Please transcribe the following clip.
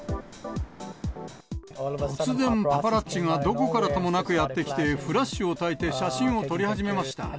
突然、パパラッチがどこからともなくやって来て、フラッシュをたいて写真を撮り始めました。